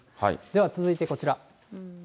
では続いてこちら。